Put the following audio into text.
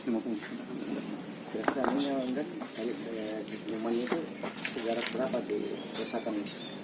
yang mana itu sejarah berapa diperasakan